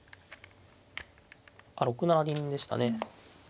あっ６七銀でしたね。